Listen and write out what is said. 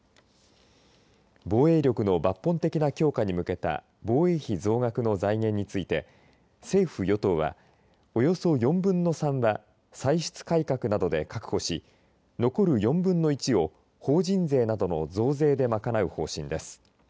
防衛力の抜本的な強化に向けた防衛費増額の財源について政府・与党はおよそ４分の３は歳出改革などで確保し残る４分の１を法人税などの増税で賄う方針です。